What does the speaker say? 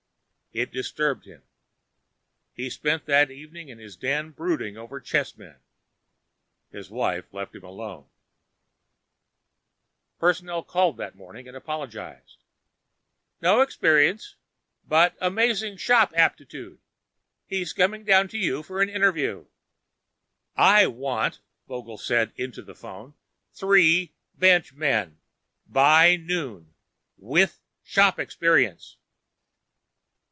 It disturbed him. He spent that evening in his den brooding over chessmen. His wife let him alone. Next day, he hired Amenth. Personnel called that morning and apologized. "No experience, but amazing shop aptitude. He's coming down to you for an interview." "I want," Vogel said into the phone, "three bench men. By noon. With shop experience."